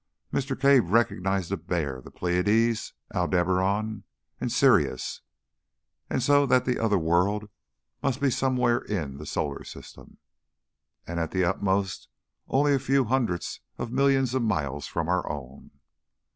Mr. Cave recognised the Bear, the Pleiades, Aldebaran, and Sirius: so that the other world must be somewhere in the solar system, and, at the utmost, only a few hundreds of millions of miles from our own.